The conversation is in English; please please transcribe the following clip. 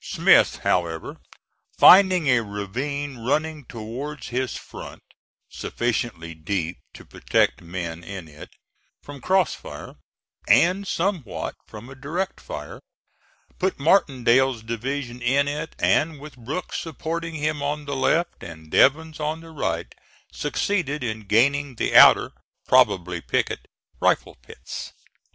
Smith, however, finding a ravine running towards his front, sufficiently deep to protect men in it from cross fire, and somewhat from a direct fire, put Martindale's division in it, and with Brooks supporting him on the left and Devens on the right succeeded in gaining the outer probably picket rifle pits.